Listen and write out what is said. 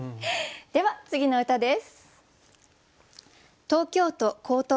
では次の歌です。